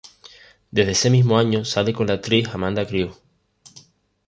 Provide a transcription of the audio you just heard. Desde ese mismo año, sale con la actriz Amanda Crew.